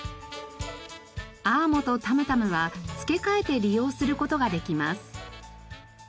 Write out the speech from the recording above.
アーモとタムタムは付け替えて利用する事ができます。